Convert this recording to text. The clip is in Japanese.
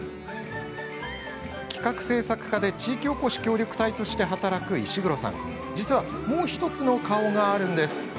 企画政策課で地域おこし協力隊として働く石黒さん、実はもう１つの顔があるんです。